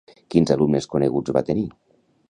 Quins alumnes coneguts va tenir?